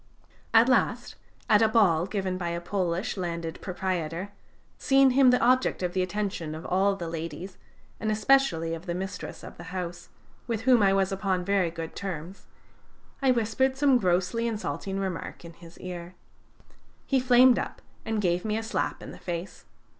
At last, at a ball given by a Polish landed proprietor, seeing him the object of the attention of all the ladies, and especially of the mistress of the house, with whom I was upon very good terms, I whispered some grossly insulting remark in his ear. He flamed up and gave me a slap in the face.